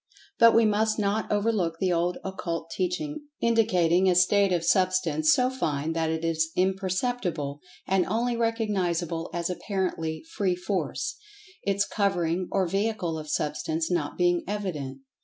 But we[Pg 92] must not overlook the old Occult Teaching indicating a state of Substance so fine that it is imperceptible, and only recognizable as apparently "free force"; its covering, or vehicle of Substance not being evident.